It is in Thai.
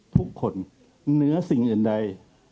ทุกคนเนื้อสิ่งอื่นใด